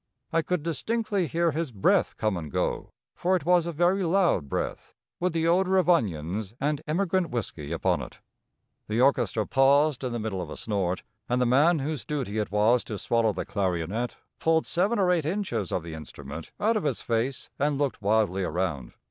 I could distinctly hear his breath come and go, for it was a very loud breath, with the odor of onions and emigrant whisky upon it. The orchestra paused in the middle of a snort, and the man whose duty it was to swallow the clarionet pulled seven or eight inches of the instrument out of his face and looked wildly around.